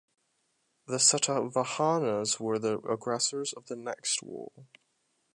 The Satavahanas were the aggressors of the next war.